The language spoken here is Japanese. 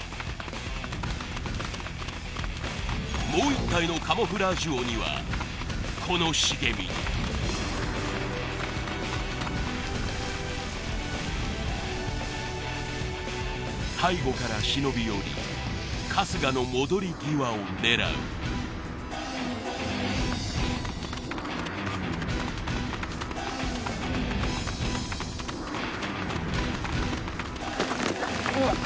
もう１体のカモフラージュ鬼はこの茂み背後から忍び寄り春日の戻り際を狙ううわっ！